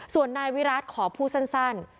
ส่วนนายวิรัติขอพูดสั้น